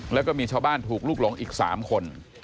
แล้วก็มีชาวบ้านถูกลูกหลงอีก๓คน